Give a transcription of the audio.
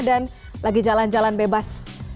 dan lagi jalan jalan bebas